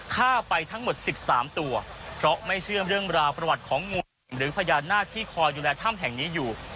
ฆ่าไปทั้งหมด๑๓ตัวเพราะไม่เชื่อเรื่องราวประวัติของงูหรือพญานาคที่คอยดูแลถ้ำแห่งนี้อยู่